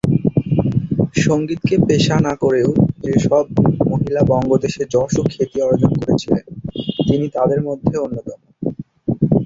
সঙ্গীতকে পেশা না করেও যেসব মহিলা বঙ্গদেশে যশ ও খ্যাতি অর্জন করেছিলেন তিনি তাঁদের মধ্যে অন্যতম।